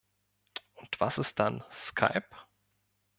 Und was ist dann Skype?